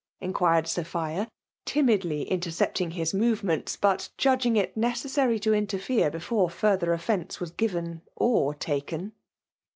inquired Sophia, timidly intercepting his movements, but judg ing it necessary to interfere before further ofience was given or taken.